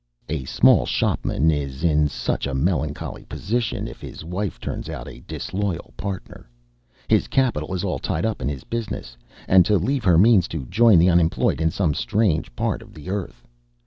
A small shopman is in such a melancholy position, if his wife turns out a disloyal partner. His capital is all tied up in his business, and to leave her means to join the unemployed in some strange part of the earth.